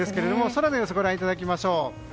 空の様子、ご覧いただきましょう。